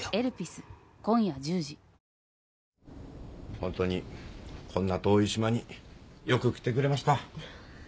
ホントにこんな遠い島によく来てくれました。